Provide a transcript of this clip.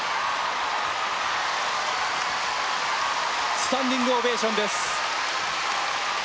スタンディングオベーションです。